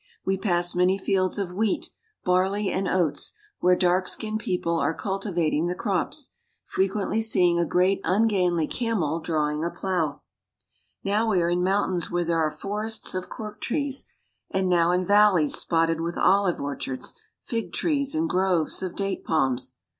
We pass many fields of wheat, barley, and oats, where dark skinned people are culti vating the crops, frequently seeing a great ungainly camel drawing a plow. Now we are in mountains where there are forests of cork trees, and now in valleys spotted with olive or chards, fig trees, and groves of date palms.